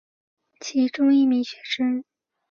其中一名学生是徐悲鸿先生谁后来成了好朋友。